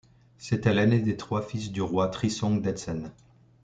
C'était l'aîné des trois fils du roi Trisong Detsen.